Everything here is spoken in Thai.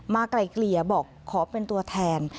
ไกลเกลี่ยบอกขอเป็นตัวแทน